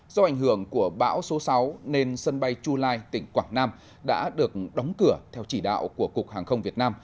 do ảnh hưởng của bão số sáu nên sân bay chu lai tỉnh quảng nam đã được đóng cửa theo chỉ đạo của cục hàng không việt nam